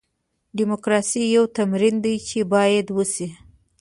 ډیموکراسي یو تمرین دی چې باید وشي.